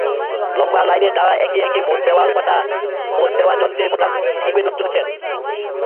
লম্বা লাইনে তাঁরা একে একে ভোট দেওয়ার যন্ত্রের বোতাম টিপে চলেছেন।